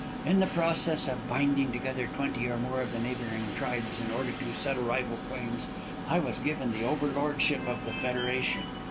In the process of binding together twenty or more of the neighboring tribes in order to settle rival claims, I was given the over lordship of the federation.